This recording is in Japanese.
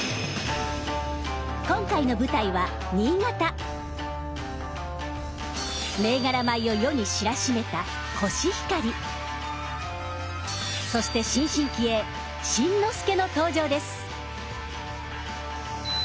今回の舞台は銘柄米を世に知らしめたそして新進気鋭「新之助」の登場です！